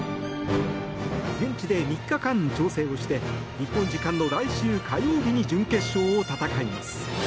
現地で３日間調整をして日本時間の来週火曜日に準決勝を戦います。